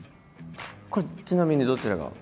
これちなみにどちらが？